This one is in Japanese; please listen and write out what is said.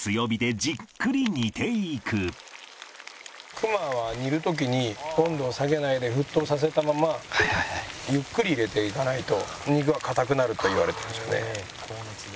熊は煮る時に温度を下げないで沸騰させたままゆっくり入れていかないと肉が硬くなるといわれてるんですよね。